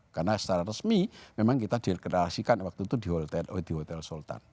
karena secara resmi memang kita diklarasikan waktu itu di hotel sultan